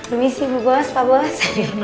ini sih bu bos pak bos